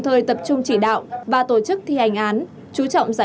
về việc không có biện truyền dựa